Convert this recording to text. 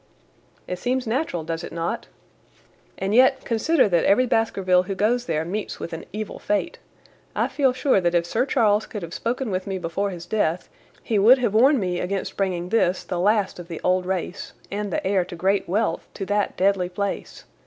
"It seems natural, does it not? And yet, consider that every Baskerville who goes there meets with an evil fate. I feel sure that if Sir Charles could have spoken with me before his death he would have warned me against bringing this, the last of the old race, and the heir to great wealth, to that deadly place.